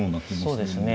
そうですね。